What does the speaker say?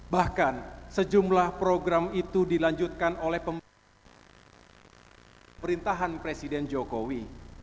bahkan sejumlah program itu dilanjutkan oleh pemerintahan presiden jokowi